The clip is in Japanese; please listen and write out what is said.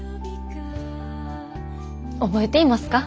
覚えていますか？